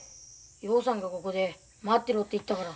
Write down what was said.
陽さんがここで待ってろって言ったから。